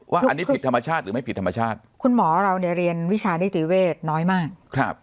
ว่าอันนี้ผิดธรรมชาติหรือไม่ผิดธรรมชาติคุณหมอเราเนี่ยเรียนวิชานิติเวทน้อยมาก